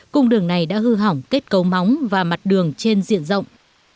cung đường này đã hư hỏng kết cấu móng và mặt đường trên diện rộng